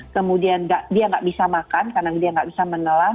kemudian dia nggak bisa makan karena dia nggak bisa menelan